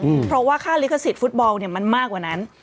เพราะว่าค่าลิขสิทธิฟุตบอลเนี้ยมันมากกว่านั้น